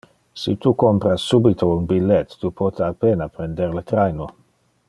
Si tu compra subito un billet, tu pote a pena prender le traino.